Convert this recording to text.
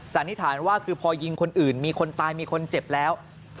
สันนิษฐานว่าคือพอยิงคนอื่นมีคนตายมีคนเจ็บแล้ว